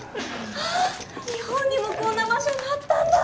はぁ日本にもこんな場所があったんだ！